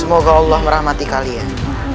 semoga allah merahmati kalian